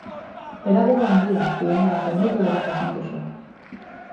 Pedagogo handia, pianorako metodo bat asmatu zuen.